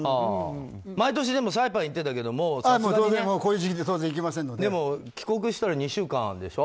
毎年サイパン行ってたけどもう、さすがにね。帰国したら２週間でしょ。